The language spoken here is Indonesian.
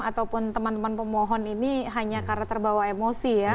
ataupun teman teman pemohon ini hanya karena terbawa emosi ya